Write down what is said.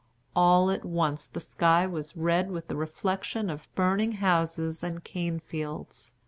All at once the sky was red with the reflection of burning houses and cane fields.